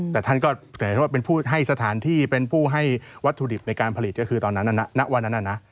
แต่ท่านก็เป็นผู้ให้สถานที่เป็นผู้ให้วัตถุดิบในการผลิตก็คือตอนนั้นนะ